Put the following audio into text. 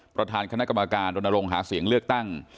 ประธานคณะกรรมการรณรงค์หาเสียงเลือกตั้ง